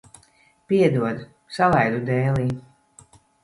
Piedod, salaidu dēlī.